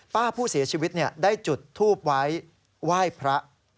ป้าผู้เสียชีวิตได้จุดทูบไว้ไหว้พระ